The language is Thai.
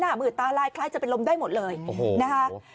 หมืดตาลายคล้ายจะเป็นลมได้หมดเลยนะคะ